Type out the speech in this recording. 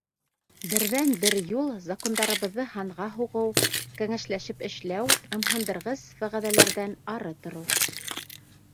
Берҙән-бер юл — закондарыбыҙҙы һанға һуғыу, кәңәшләшеп эшләү, ымһындырғыс вәғәҙәләрҙән ары тороу.